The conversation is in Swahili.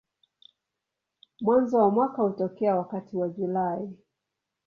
Mwanzo wa mwaka hutokea wakati wa Julai.